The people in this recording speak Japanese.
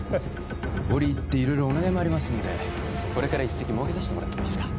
折り入って色々お願いもありますんでこれから一席設けさせてもらってもいいっすか？